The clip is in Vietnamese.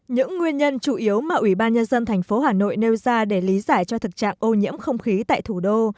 những nguyên nhân chủ yếu mà ủy ban nhân dân thành phố hà nội nêu ra để lý giải cho thực trạng ô nhiễm không khí tại thủ đô